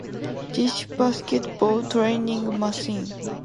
Dish basketball training machine.